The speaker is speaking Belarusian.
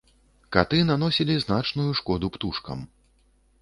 Каты наносілі значную шкоду птушкам.